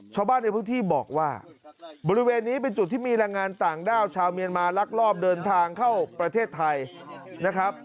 ชาวบ้านในพื้นที่บอกว่าบริเวณนี้เป็นจุดที่มีแรงงานต่างด้าวชาวเมียนมาลักลอบเดินทางเข้าประเทศไทยนะครับ